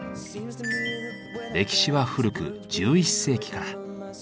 歴史は古く１１世紀から。